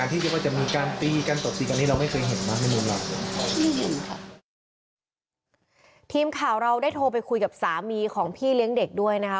ทีมข่าวเราได้โทรไปคุยกับสามีของพี่เลี้ยงเด็กด้วยนะคะ